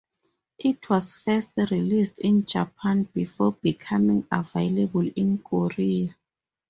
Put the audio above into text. It was first released in Japan before becoming available in Korea.